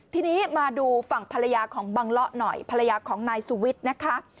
ทีนี้มาดูฝั่งภรรยาของบังเลาะหน่อยภรรยาของนายสุวิทย์นะคะ